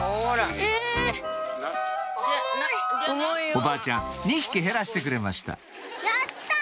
おばあちゃん２匹減らしてくれましたやった！